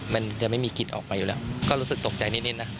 มันจะไม่มีกลิ่นออกไปอยู่แล้วก็รู้สึกตกใจนิดนะ